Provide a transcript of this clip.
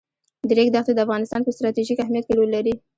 د ریګ دښتې د افغانستان په ستراتیژیک اهمیت کې رول لري.